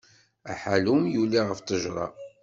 Aḥallum yuli ɣef ttejra.